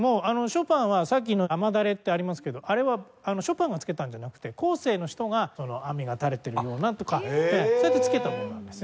ショパンはさっきの『雨だれ』ってありますけどあれはショパンが付けたんじゃなくて後世の人が雨が垂れているようなとかそうやって付けたものなんですね。